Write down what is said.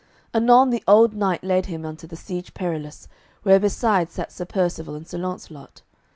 Anon the old knight led him unto the Siege Perilous, where beside sat Sir Percivale and Sir Launcelot.